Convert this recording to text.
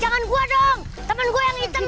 jangan kue dong teman gue yang hitam